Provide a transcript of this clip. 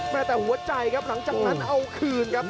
แม่แต่หัวใจครับหลังจากนั้นเอาคืนครับ